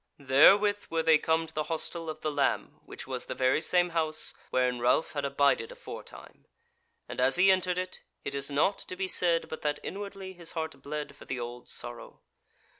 Therewith were they come to the hostel of the Lamb which was the very same house wherein Ralph had abided aforetime; and as he entered it, it is not to be said but that inwardly his heart bled for the old sorrow.